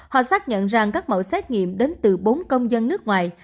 họ xác nhận rằng các mẫu xét nghiệm đến từ bốn công dân nước ngoài